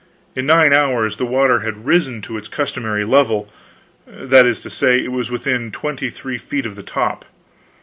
In nine hours the water had risen to its customary level that is to say, it was within twenty three feet of the top.